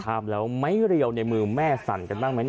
ภาพแล้วไม้เรียวในมือแม่สั่นกันบ้างไหม